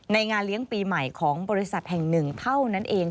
งานเลี้ยงปีใหม่ของบริษัทแห่งหนึ่งเท่านั้นเอง